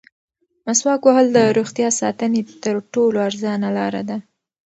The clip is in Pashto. مسواک وهل د روغتیا ساتنې تر ټولو ارزانه لاره ده.